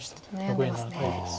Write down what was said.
残り７回です。